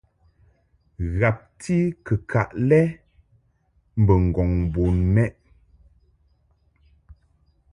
Ghabti kɨkaʼ lɛ mbo ŋgɔŋ bun mɛʼ.